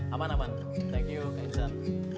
aman aman thank you kak insan